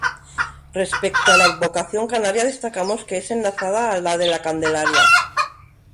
Respecto a la advocación canaria destacamos que es enlazada a la de La Candelaria.